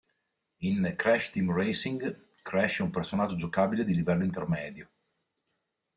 In "Crash Team Racing" Crash è un personaggio giocabile di livello intermedio.